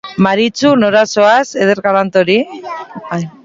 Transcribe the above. Maritxu, nora zoaz, eder galant hori?